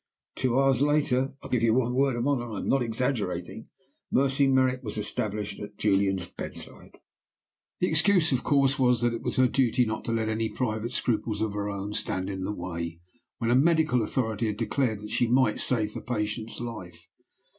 "Two hours later I give you my word of honor I am not exaggerating Mercy Merrick was established at Julian's bedside. "The excuse, of course, was that it was her duty not to let any private scruples of her own stand in the way, when a medical authority had declared that she might save the patient's life.